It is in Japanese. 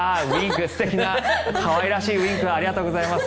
素敵な可愛らしいウィンクありがとうございます。